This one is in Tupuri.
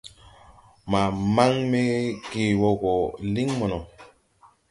Ma maŋ me ge wɔ gɔ liŋ mono.